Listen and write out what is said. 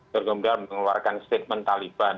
tergantung dari mengeluarkan statement taliban